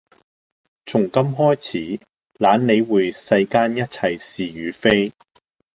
從今開始懶理會世間一切是與非